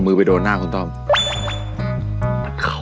แบบนี้ก็ได้